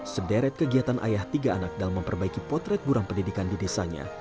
sederet kegiatan ayah tiga anak dalam memperbaiki potret burang pendidikan di desanya